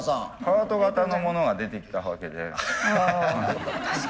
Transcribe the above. ハート形のものが出てきたわけで。